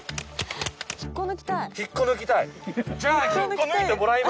引っこ抜きたい？